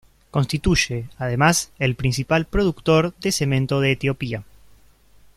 Constituye, además, el principal productor de cemento de Etiopía.